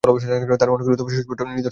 তার অনেকগুলো সুস্পষ্ট নিদর্শন রয়েছে।